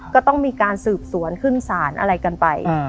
ก็ต้องมีการสืบสวนขึ้นสารอะไรกันไป